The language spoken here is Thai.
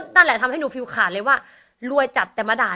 นั่นแหละทำให้หนูฟิวขาดเลยว่ารวยจัดแต่มาด่า